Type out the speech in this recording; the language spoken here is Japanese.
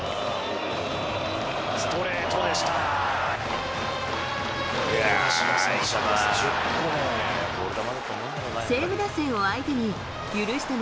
ストレートでした。